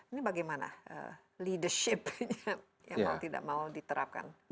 ini bagaimana leadership yang mau tidak mau diterapkan